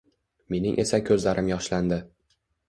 Mening esa ko`zlarim yoshlandi